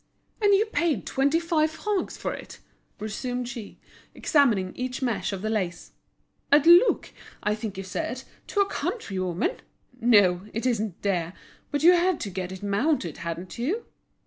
"And you paid twenty five francs for it?" resumed she, examining each mesh of the lace. "At Luc, I think you said, to a country woman? No, it isn't dear; but you had to get it mounted, hadn't you?"